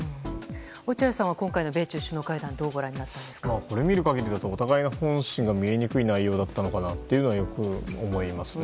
落合さんは今回の米中首脳会談どうご覧になりましたか？これを見る限りだとお互いの本心が見えにくい内容だったのかなというのはよく思いますね。